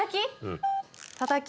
たたき？